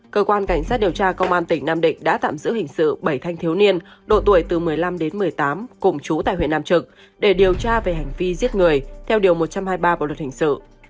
cơ quan cảnh sát điều tra công an tỉnh nam định đã tạm giữ hình sự bảy thanh thiếu niên độ tuổi từ một mươi năm đến một mươi tám cùng chú tại huyện nam trực để điều tra về hành vi giết người theo điều một trăm hai mươi ba bộ luật hình sự